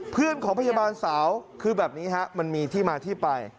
เพื่อนของพยาบาลสาวคือแบบนี้ฮะมันมีที่มาที่ไป